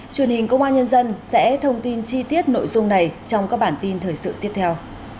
truyền hình công an nhân dân sẽ thông tin chi tiết nội dung này trong các bản tin thời sự tiếp theo